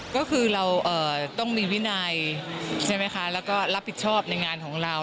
ก็คือเราต้องมีวินัยใช่ไหมคะแล้วก็รับผิดชอบในงานของเรา